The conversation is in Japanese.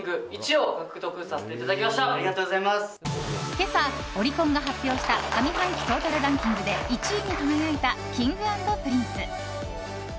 今朝、オリコンが発表した上半期トータルランキングで１位に輝いたＫｉｎｇ＆Ｐｒｉｎｃｅ。